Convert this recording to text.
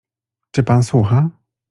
Czy pan słucha?